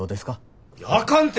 あかんて！